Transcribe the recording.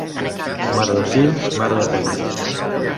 Mare de fills, mare de penes.